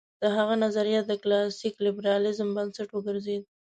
د هغه نظریات د کلاسیک لېبرالېزم بنسټ وګرځېد.